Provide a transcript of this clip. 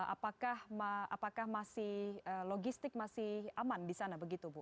apakah logistik masih aman di sana begitu bu